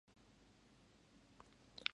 富山県へ行く